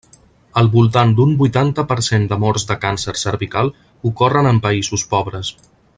Al voltant d'un vuitanta per cent de morts de càncer cervical ocorren en països pobres.